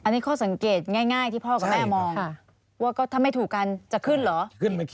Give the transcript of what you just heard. อันนี้ข้อสังเกตง่ายที่พ่อกับแม่มองว่าก็ถ้าไม่ถูกกันจะขึ้นเหรอ